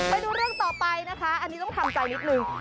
ไปดูเรื่องต่อไปนะคะอันนี้ต้องทำใจนิดนึง